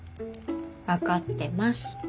分かってます。